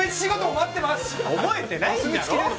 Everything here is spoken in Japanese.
覚えてないんだろ！